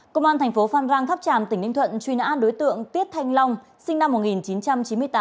công an thành phố phan rang tháp tràm tỉnh ninh thuận truy nã đối tượng tiết thanh long sinh năm một nghìn chín trăm chín mươi tám